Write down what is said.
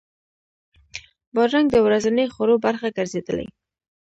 بادرنګ د ورځني خوړو برخه ګرځېدلې.